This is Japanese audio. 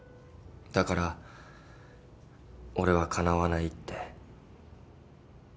だから俺はかなわないって。